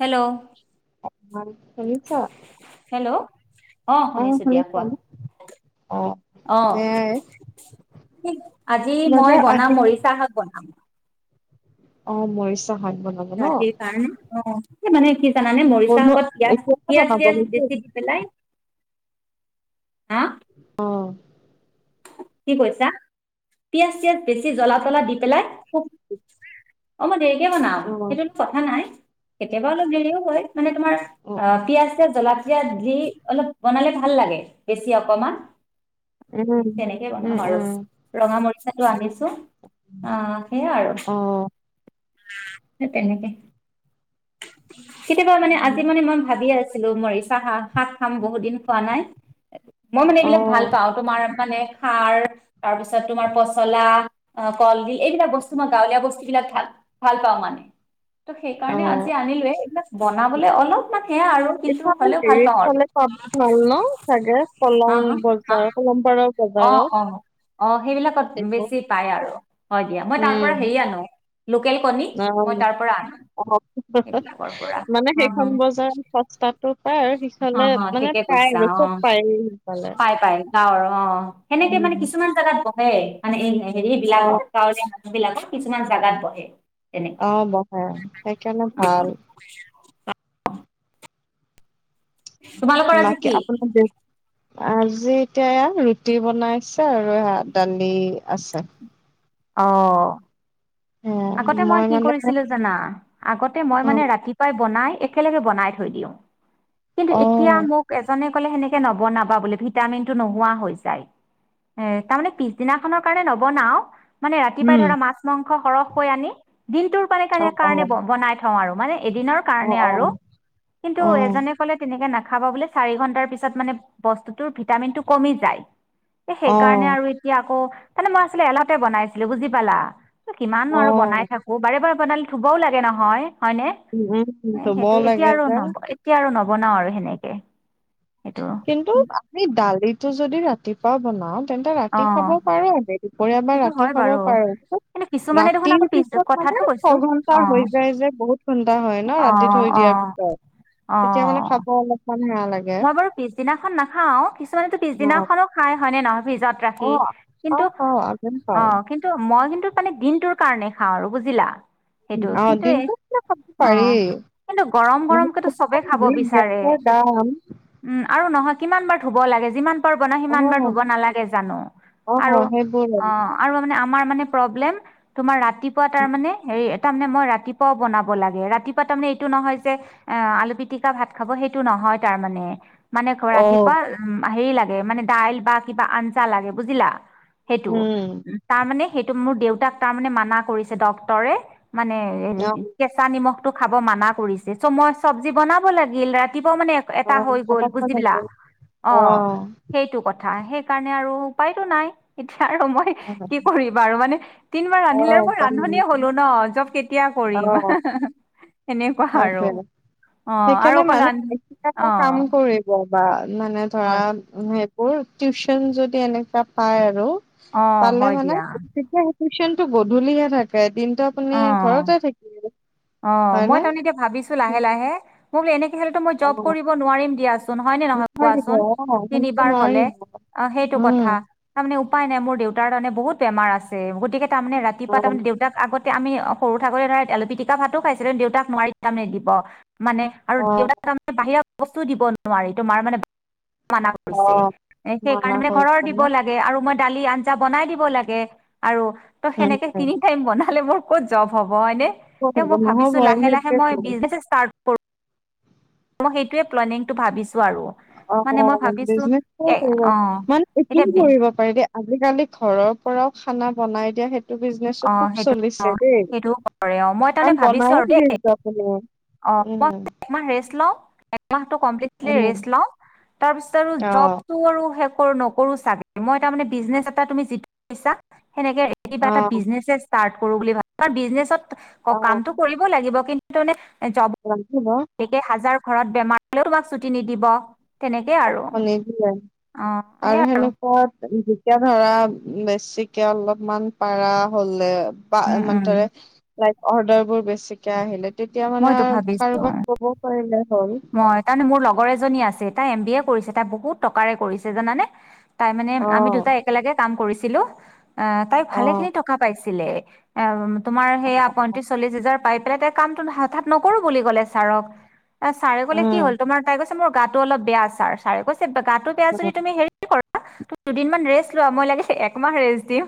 Hello অ', শুনিছা? Hello অহ অ', শুনিছো দিয়া শুনিছা কোৱা ন? অ', অহ সেয়াই আজি মানে মই বনাম আজিকালি মৰিচা শাক বনাম অ মৰিছ ৰাতি কাৰণে অ মানে কি জানানে মৰিচা বনোৱা শাকত পিয়াজ এতিয়াহে পিয়াজ বনাব চিয়াজ নেকি? বেছি দি পেলাই হা অহ কি কৈছা পিয়াজ চিয়াজ বেছি জ্বলা তলা দি পেলাই খুব অ মই দেৰি কে বনাম অ', সেইটোতো কথা নাই কেতিয়াবা অলপ দেৰিও হয় মানে তোমাৰ অ পিয়াঁজ চিয়াজ জলা জলকীয়া দি অলপ বনালে ভাল লাগে বেছি অকমান উম, তেনেকে উম, বনাম আৰু উম, ৰঙা মৰিচা আনি অ সেয়া আৰু অ', সেই তেনেকে কেতিয়াবা মানে আজি অ', মানে মই ভাবি আছো ছিলো মৰিচা শাক খাম বহুত দিন খোৱা নাই মই মানে এইবিলাক ভাল অ', পাওঁ তোমাৰ মানে খাৰ তাৰপিছত তোমাৰ পচলা কলডিল এইবিলাক বস্তু মই গাঁৱলীয়া বস্তুবিলাক ভ ভাল পাওঁ মানে তো সেইকাৰণে আছ অ'। আনিলোৱে, এইবিলাক বনাবলে অলপমান সেয়া আৰু কিন্তু ইফালে হলেও ভাল হেৰিৰ পাওঁ আৰু। ফালে পাব ভাল ন চাগে কলং বজাৰ কলমপাৰৰ অ বজাৰত অ অ সেইবিলাকত সেইবোৰ বেছি পাই আৰু। হয় দিয়া, মই তাৰ পৰা উম, হেৰি আনো। লোকেল কণী অ মই তাৰ পৰা আনো অ হ হ হ, সেইবিলাকৰ পৰা মানে হা হা সেইখন বজাৰত সস্তাতটো পায় আৰু হা সিফালে হা মানে ঠিকে পায় কৈছা আৰু চব পায়ে সিফালে। আও ৰ। সেনেকে মানে উম। কিছুমান জাগাত ব হয়েই মানে এই নাই হেৰি অ বিলাকৰ গাঁৱলীয়া বিলাকৰ কিছুমান জাগাত বহে। তেনেকে অ বহে, সেইকাৰণে অ ভাল। তোমালোকৰ আজি বাকী কি? আপোনাৰ দে আজি এতিয়া এয়া ৰুটি বনাইছে, আৰু এয়া দালি আছে। অহ। সেয়াই আগতে মই কি মানে কৰিছিলো জানা, আগতে মই অ মানে ৰাতিপুৱাই বনাই একেলগে বনাই থৈ দিওঁ। কিন্তু অ এতিয়া মোক এজনে কলে সেনেকে নবনাবা বোলে, ভিটামিন টো নোহোৱা হৈ যায়। এ তাৰমানে পিছদিনাখনৰ কাৰণে নবনাও। মানে ৰাতিপাই উম ধৰা মাছ মং ংস সৰহ হৈ আনি, দিনটোৰ পাৰে অ কানে অ কাৰনে কাৰণে বনাই থওঁ আৰু। মানে এদিনৰ অ অ কাৰণে আৰু। কিন্তু এজনে কলে তেনেকে নাখা খাবা বোলে চাৰি ঘন্টাৰ পিছত মানে বস্তুটোৰ ভিটামিন টো কমি যায়। এ অ অ সেইকাৰণে আৰু এতিয়া আকৌ, তানে মই আচলে এলাহতে বনাইছো বুজি পালা। কিমাননো অ আৰু বনাই থাকো বাৰে বাৰে, বনালী ধুবও লাগে নহয়। হয় নে, উম উম ধুব সেইটো এতিয়া লাগে আৰু যে নব এতিয়া নব বনাও আৰু সেনেকে। সেইটো কিন্তু আমি দালিত, তটো যদি ৰাতিপুৱা বনাম, তেন্তে অ ৰাতি খাব পাৰো আমি। দুপৰীয়া বা সেইটো ৰাতি হয় খাব বাৰু পাৰো। কিন্তু কিছুমানে দেখোন ৰাতিৰ আকৌ পিছ পিছত মানে কথাটো কৈছো ছঘন্টা অ হৈ যায় যে বহুত ঘন্টা হয় ন অ ৰাতি থৈ অ দিয়াৰ পিছত, অ তেতিয়া মানে খাব অলপমান বেয়া লাগে মই বাৰু পিছদিনাখন নাখাও কিছুমানেতো অ পিছদিনাখনো খাই হয় নে নহয় ফ্ৰিজত অ ৰাখি কিন্তু খাওঁ খাওঁ আমিও অ খাওঁ কিন্তু মই কিন্তু মানে দিনটোৰ কাৰণে খাওঁ আৰু বুজিলা? সেইটো অ কিন্তু এই দিনটো ক খাব অ পাৰি কিন্তু গৰম গৰমকেতো নহলে চবে খাব আজিকালি বিচাৰে গেছৰ দাম উম আৰু নহয় কিমান বাৰ ধুব লাগে যিমান যিমান বাৰ বনা অ সিমান বাৰ ধুব নালাগে জানো অ আৰু সেইবোৰ অ আৰু [unintelligible] মানে প্ৰব্লেম তোমাৰ আপ- ৰাতিপুৱা তাৰ মানে হেৰি তাৰমানে মই ৰাতিপুৱাও বনাব লাগে ৰাতিপুৱা তাৰমানে এইটো নহয় যে এ আলু পিতিকা ভাত খাব সেইটো নহয় তাৰ মানে মানে অ ৰাতিপুৱা উম হেৰি লাগে মানে দাইল বা কিবা আঞ্জা লাগে বুজিলা সেইটো উম উ তাৰ মানে সেইটো মোৰ দেউতাক তাৰ মানে মানা কৰিছে ডক্তৰে মানে অ কেঁচা নিমখ খাব মানা কৰিছে চ মই চব্জি বনাব লাগিল ৰাতিপুৱা মানে অ এটা হৈ খাব গ'ল বুজি পেলা লাগে অ সেইটো কথা সেইকাৰণে আৰু উপায়তো নাই আৰু মই অ কি কৰিম আৰু মানে তিন বাৰ অ ৰান্ধিলে আৰু মই উপায় নাই ৰান্ধনীয়ে হলো ন জব কেত- কেতিয়া অ কৰিম সনেকুৱা আৰু সেইটোৱে অ আৰু সেইকাৰণে অকল মানে ৰান্ধ- এতিয়া এটা কাম কৰিব বা মানে ধৰা হয় মোৰ টিউচন যদি এনেকা পাই আৰু অ হয় দিয়া টিউশ্যন টো গধূলিহে থাকে। দিনটো আপুনি অ ঘৰতে থাকিব অ মই হয়নে? তাৰমানে এতিয়া ভাবিছো লাহে লাহে। মোক এনে- তো মই জব অ কৰিব নোৱাৰিম দিয়াচোন হয় ন নহয় নোৱাৰিব কোৱাচোন অ সেনেকে তিনিবাৰ হলে নোৱাৰিব অ সেইটো উম। কথা তাৰ মানে উপায় নাই মোৰ দেউতাৰে বহুত বেমাৰ আছে গতিকে তাৰমানে অ ৰাতিপুৱা তাৰমানে দেউতাক আগত আমি সৰু থাকোতে ধৰা এলু পিটিকা ভাতো খাইছিলো দেউতাক মাৰি যাম নিদিব মানে আৰু অ দেউতাক তাৰে বাহিৰত বস্তু দিব নোৱাৰি তোমাৰ মানে মানা অ কৰিছে মানা সেইকাৰণে মানে ঘৰৰ কৰিছে ন দিব লাগে আৰু মই দালি আঞ্জা বনাই দিব লাগে আৰু ত উম সেনেকে উম তিনি টাইম বনালে মোৰ ক'ত জব হব হয় ক'ত হ'ব মই ভাবিছো নহবই লে ল মই সেইটোৱেটো বিজনেছ [unintelligible] অ মই সেইটোৱে প্লেনিংটো ভাবিছো আৰু অ মানে মই ভাবিছো বিজনেচ এ অ মানে এতিয়া এইটোও কৰিব পাৰি দেই আজিকালি ঘৰৰত পৰাও খানা বনাই দিয়া সেই এইটো বিজনেচো অ খুব সেইটো অ চলিছে দেই সেইটোও কৰে অ মই তাৰমানে কাৰন ভাবিছো বনায় আৰু দেই যহটো আপুনি [unintelligible] অ মই সেইটো আ ল [unintelligible] প্লিটলি উম ৰেষ্ট লওঁ তাৰপিছত আৰু অ জবটো আৰু [unintelligible] নকৰো চাগে মই এটা মানে বিজনেছ এটা তুমি যিটো [unintelligible] সেনেকে কিবা অ এটা বিজনেছে ষ্টাৰ্ট কৰো বুলি ভাবো তাৰ বিজনেছত অ কামটো কৰিব লাগিব কিনে তনে জব ৰান্ধিব একে হাজাৰ ঘৰত বেমাৰ হলেও তোমাক ছুটি নিদিব তেনেকে আৰু দিয়ে অ', সেই আৰু সেনেকুৱা যেতিয়া ধৰা বেছিকে অলপমান পাৰা হলে উম, উম, বামানটাৰে লাইক অৰ্ডাৰ বোৰ বেছিকে আহিলে তেতিয়া মানে মইতো ভাবিছো। কাৰোবাক ক'বও পাৰিলে হ'ল মই তাৰমানে মোৰ লগৰ এজনী আছিল তাই এম বি এ কৰিছে তাই বহুত টকাৰে কৰিছে জানে [unintelligible] তাই মানে অ আমি দুটাই একেলগে কাম কৰিছে কিলো অ তাই অ ভালে খিনি টকা পাইছে ছিলে তোমাৰ সেয়া, পয়ত্ৰিশ চলিশ হাজাৰ পাই পেলাই তাই কামটো হঠাৎ নকৰোঁ বুলি ক'লে ছাৰক। এ, ছাৰে ক'লে কি হ'ল? উম তোমাৰ তাই কৈছে মোৰ গাটো অলপ বেয়া! চাৰ চাৰে কৈছে গাটো বেয়া যদি উম তুমি হেৰি ক তুমি দুদিনমান ৰেষ্ট লোৱা। মই লাগিলে একমাহ ৰেষ্ট দিম।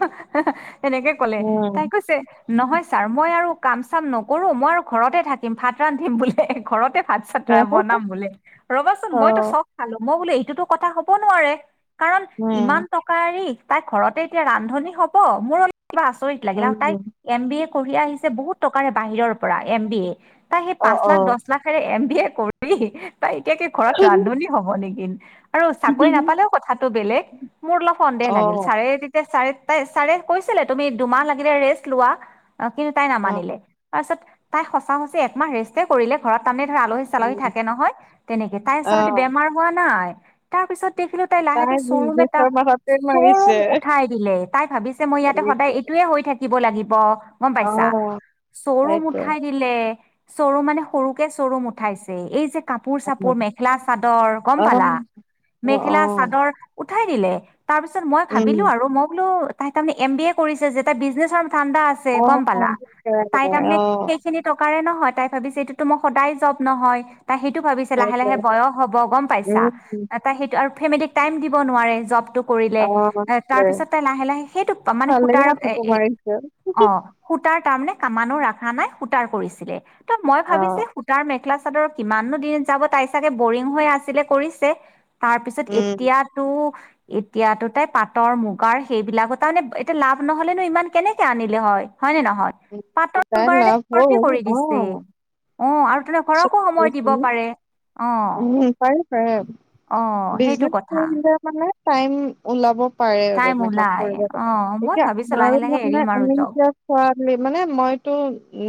এনেকে ক'লে, অ তাই কৈছে, নহয় ছাৰ মই আৰু কাম চাম নকৰোঁ। মই আৰু ঘৰতে থাকিম, ভাত ৰান্ধিম বোলে ঘৰতে। হাত চাতৰা বনাম বোলে। ৰ'বাচোন মইতো চব খালোঁ। মই বোলে এইটো কথা হ'ব নোৱাৰে। কাৰণ, উম ইমান টকা এৰি তাই ঘৰতে এতিয়া ৰান্ধনী হ'ব, মোৰ কিবা আছৰিত অ লাগিল। তাই উম এম বি এ পঢ়ি আহিছে বহুত টকাৰে বাহিৰৰ পৰা এম বি এ তাই সেই অ অ পাঁচ লাখ দহ লাখ এম বি এ কৰি তাই এতিয়া কি ঘৰত ৰান্ধনী হ'ব নেকি? আৰু চাকৰি নাপালেও কথাটো বেলেগ। মোৰ অলপ সন্দেহ লাগিল চাৰে তেতিয়া চাৰে তাই, ছাৰে কৈছিলে তুমি দুমাহ লাগিলে ৰেষ্ট লোৱা। অ' কিন্তু, তাই অ অ নামানিলে। তাৰ পাছত তাই সঁচা সঁচি একমাহ ৰেষ্টে কৰিলে। মানে ধৰা আলহী চালহী উম থাকে নহয়, তেনেকে তাই অ আচলতে বেমাৰ হোৱা নাই। তাৰ পিছত দেখিলোঁ তাই লাহেকে শ্ব'ৰুম এটা, বিজনেচৰ মাথাতে শ্ব'ৰুম মাৰিছে উঠাই দিলে। তাই ভাবিছে, মই ইয়াতে সদায় এইটোৱে হৈ থাকি শিকিব লাগিব। গম অ পাইছা। শ্ব'ৰুম সেইটো উঠাই দিলে! শ্ব'ৰুম মানে সৰুকে শ্ব'ৰুম উঠাইছে। এই যে কাপোৰ চাপোৰ, মেখেলা চাদৰ গম পালা। অ অ', মেখেলা অ', চাদৰ উঠাই দিলে। তাৰ পিছত মই উম, ভাবিলোঁ আৰু মই বোলো তাই তাৰমানে এম বি এ কৰিছে যে এটা বিজনেছৰ ম ঠাণ্ডা আছে গম পালা অ', তাই সেইকাৰণে তাৰমানে অ', সেই খিনি টকাৰে নহয় তাই ভাবিছে এইটো তো মোক সদায় জব নহয় তাই সেইটো ভাবিছে লাহে সেইটোৱে, লাহে বয়স হ'ব গম পাইছা উম, তাই সেইটো আৰু ফেমিলিক টাইম দিব নোৱাৰে জবটো কৰিলে অ', সেইটোৱে, তাৰপিছত তাই লাহে লাহে সেইটো মানে ভালেই সূতাৰ মাথাটো মাৰিছে, অ সূতাৰ তাৰমানে আমানো ৰাখা নাই সূতাৰ কৰিছিলে ত মই ভাবিছো অ', তাৰ মেখেলা চাদৰ কিমানো দিন যাব তাই চাগে বৰিং হৈ আছিলে কৰিছে তাৰপিছত উম, এতিয়াতো এতিয়াতো তাই পাটৰ মুগাৰ সেইবিলাকো তাৰ মানে এতিয়া লাভ নহলেনো ইমান কেনেকে আনিলে হয় হয় নে নহয় উম, পাটৰ তাইৰ মূগাৰে লাভ হ'ল, ভৰ্তি কৰি দিছে অ', অ আৰু তোন ঘৰকো সময় দিব পাৰে অঁ অঁ বিজনেছ কৰিলে মানে টাইম ওলাব পাৰে আৰু টাইম মেকআপ ওলাই কৰিব পাৰে। অ', মই এতিয়া ভাবিছোঁ আমাৰ লাহে লাহে ৰূমত নাই এৰিম আৰু আমি জব। এতিয়া খোৱা মানে মই টো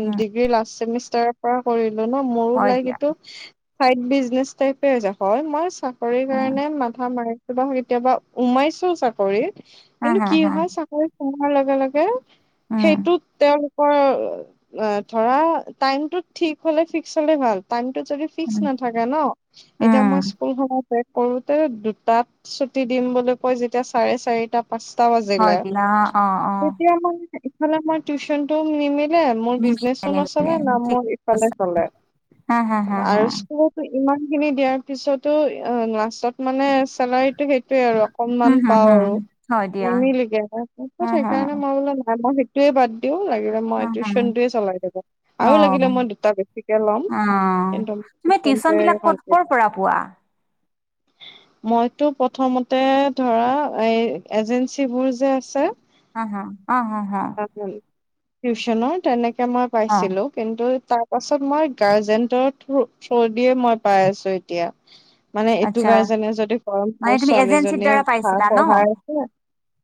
উম, ডিগ্ৰী লাষ্ট ছেমিষ্টাৰ তাৰপৰা কৰিলো ন মোৰো হয় লাইক দিয়া। এইটো ক চাইড বিচ নেজ টাইপে যে হয় মাৰ চা চাৰি উম, কাৰণে মাথা মাৰি কেতিয়াবা কেতিয়াবা সোমাইছো চাকৰিত। হা, কিন্তু হা, কি হা, হয় চাকৰি সোমোৱাৰ লগে লগে উম। সেইটোত তেওঁ ধৰা টাইম টো ঠিক হলে ফিক্স হলে ভাল টাইম যদি ফিক্স উম, নাথাকে ন এতিয়া উম, মই স্কুলখনত কৰোতে দুটাত ছুটি দিম বুলি কৈ যেতিয়া চাৰে চাৰিটাত পাঁচটা বাজিলে হয় দিয়া অ', অ', অ', তেতিয়া মই ইফালে মই টিউশ্যনটো মি মোৰ নিমিলে বিজনেচো নিমিলে নচলে না ঠিক মোৰ ইফালে কৈছা। চলে হা, হা, হা, হা, আৰু। ইমান খিনি দিয়াৰ পিছতো অ' লাচত মানে চেলাৰীটো সেইটোয়ে আৰু, অকনমান হুম, হুম, পাও হুম, আৰু হয় দিয়া। নিমিলেগে হুম, হুম, সেইকাৰণে মই বোলে নাই মই টোৱে বাদ লাগিলে মই হুম, হুম, তিওশ্যন য়ে চলাই লগত আৰু লাগিলে মই অ', দুটা বেছিকে ল'ম কিন্তু টিউশচন টিউচনটোৱে বিলাক ক'ত' কৰ কন্টিনিউ। পৰা পোৱা। মইতো প্ৰথমতে ধৰা এই এজেঞ্চিবোৰ যে আছে। অ' হা' অ' হা-হা, টিউশনৰ তেনেকে মই অ', পাইছিলো কিন্তু। তাৰ পাছত মই গাৰ্জেনটৰ থ্ৰো চৰ্দিয়ে মই পাই আছো এতিয়া। মানে এইটো আচ্ছা গাৰ্জেনে যদি কৰ মানে মোৰ তুমি এজেঞ্চিৰ ছোৱালীজনী দ্বাৰা পাইছিলা ন? পঢ়াই আছে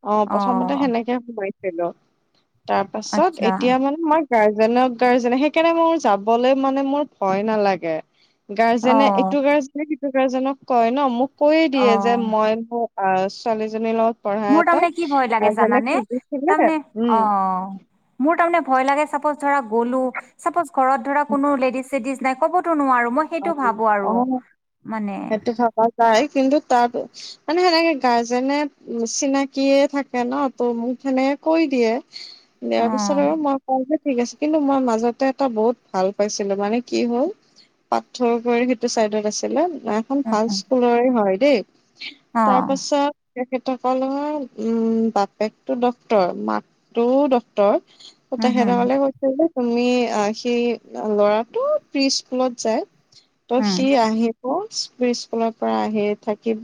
অ প্ৰথমতে সেনেকে স হেল্ল, তাৰ পাছত আচ্ছা, এতিয়া মানে মই গাৰ্জেনক-গাৰ্জেন সেইকাৰণে মোৰ যাবলৈ মানে মোৰ ভয় নালাগে। গাৰ্জেনে অ', এইটো গাৰ্জেনে সেই টো গাৰ্জনক কয় ন মোক কৈ দিয়ে, যে অ'। মই মোক আ চোৱালিজনী লওঁ মোৰ তাৰমানে কি ভয় লাগে জানানে, খুজিছিলে তাৰমানে উম অ' মোৰ তাৰমানে ভয় লাগে চাপৰ্জ ধৰা চাপৰ্জ ঘৰত ধৰা কোনো লেডিজ-চেডিজ, নাই ক'বতো নোৱাৰো, মই সেইটো ভাবো অ-অ আৰু মানে সেইটো থকা যায় কিন্তু তাৰ মানে সেনেকে গাৰ্জেনে চিনাকিয়ে থাকে ন ত' মোক সেনেকে কৈ দিয়ে। দিয়াৰ পিছত অ', আৰু মই কওঁ যে ঠিক আছে কিন্তু মই মাজতে এটা বহুত ভাল পাইছিলো মানে কি হ'ল। পাথৰ কুঁৱৰী সেইটো চাইডত আছিলে। এখন উম, ভাল উম, স্কুলৰ হয়। দেই। অ', তাৰ পাছত তেখেতসকলৰ উম' বাপেকটো ডক্টৰ মাকটোও ডক্টৰ। উম, হম, তেখেতসকলে কৈছে যে তুমি আহ সেই ল'ৰাটো প্ৰি স্কুলত যায় ত উম, সি আহি স স্কুলৰ পৰা আহি থাকিব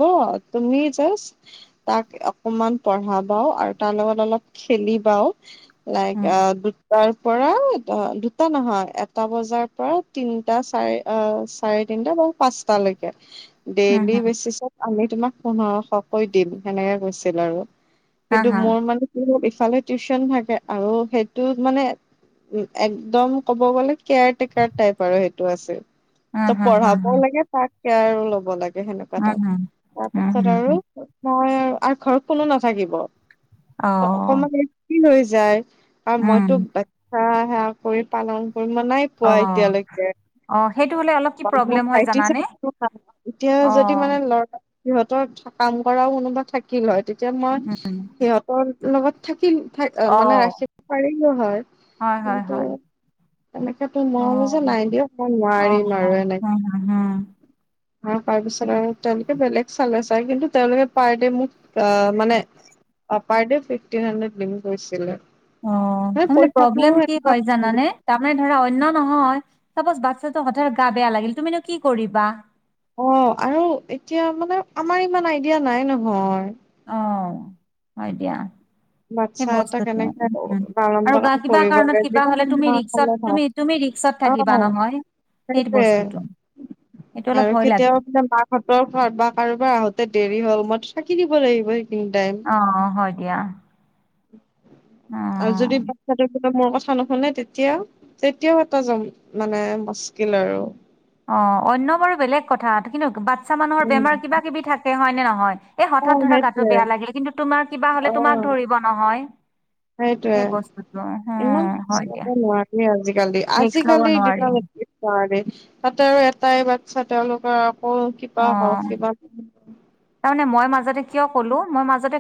তুমি জাষ্ট তাক অকমান পঢ়াবাও আৰু তাৰ লগত অলপ খেলিবাও লাইক উম, আ তাৰ পৰা অ দুটা নহয় এটা বজাৰ পৰা তিনটা চাৰে অ চাৰে তিনটা বা পাঁচটা লৈকে উম, ডেইলি হম, বেচিছত আমি তোমাক পোন্ধৰশ কৈ দিম সেনেকে কৈছিল আৰু হা, কিন্তু হা, মোৰ মানে কি হ'ল ফালে টিউচন থাকে আৰু সেইটো মানে উ একদম ক'ব গলে কেয়াৰ টেকাৰ টাইপ আৰু সেইটো টো আছে ত উম, হম, হম, পঢ়াবও হম, লাগে তাক কেয়াৰো ল'ব লাগে সেনেকুৱা উম, তাত হম, উম, তাৰপাছত হম, আৰু হম, হয় আৱ আৰু ঘৰত কোনো নাথাকিব অ', অকমান কি হৈছে যায় আৰু উম, মইতো হা হা কৰি পালং পৰি মা নাইপোৱা অ', এতিয়ালেকে অ', সেইটো হ'লে অলপ কি মোৰ প্ৰব্লেম হয় ভাইটি জানানে চাগে এতিয়া যদি অ', মানে ল'ৰা সিহঁতৰ কাম কৰাওঁ কোনোবা থাকিল হয় যে মই উম, সিহঁতৰ লগত থাকিল মানে অ', ৰাখিব পাৰিলো হয় হয়, হয়, কিন্তু হয়, তেনেকেটো নোৱাৰো যে অ', নাই দিয়া অ হোম হোম হোম অ তাৰ পিছত আৰু তেওঁলোকে বেলেগ চালে চাই কিন্তু তেওঁলোকে পাৰ দে মোক মানে পাৰ দে ফিফটিন হান ডেড দিম কৈছিলে অ মানে তাৰমানে পইচাটোও প্ৰব্লেম কি হয় এনেকুৱা জানানে তাৰমানে ধৰা অন্য নহয় চাপউজ বাচ্ছাটো হঠাতে গা বেয়া লাগিল তুমিনো কি কৰিবা অ আৰু এতিয়া মানে আমাৰ ইমান আইডিয়া নাই নহয় অ হয় দিয়া সেই বাচ্ছা এটা বস্তুটো কেনেকে উম লালন আৰু গা পালন কিবা কৰিব কাৰণত লাগে কিবা হলে তুমি ভাল ৰিক্সত তুমি তুমি ৰিক্সত থাকিবা আহ নহয় সেই সেইটোৱে বস্তুটো সেইটো অলপ আৰু ভয় লাগে কেতিয়াবা মানে মাকহঁতৰ ঘৰত বা কাৰোবাৰ আহোতে দেৰি হ'ল ম চাকি দিব লাগিব অ হ দিয়া অ উম আৰু যদি বাচ্ছাটো মোৰ কথা নুশুনে তেতিয়া তেতিয়াও এটাম মানে মুস্কিল আৰু অ অন্য বাৰু বেলেগ কথা কিন্তু পচামানুহৰ উম বেমাৰ কিবা কিবি থাকে স হয় নে নহয় এই অ হঠাৎ ধৰা গাটো সেইটোৱে বেয়া লাগিল কিন্তু তোমাৰ কিবা হলে তোমাক ধৰিব নহয় সেইটোয়ে সেই বস্তুটো ইমান উম হয় দিয়া ব নোৱাৰি আজিকালি ৰিক্স ল'ব আজিকালিৰ নোৱাৰি দিনা নোৱাৰে তাতে আৰু এটাই বাচ্ছা তেওঁলোকৰ আকৌ কিবা অ হওক কিবা নহওক তাৰ মানে মই মাজতে কিয় কলো মই মাজ তে